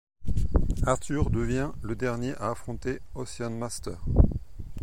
Arthur devient le dernier à affronter Ocean Master.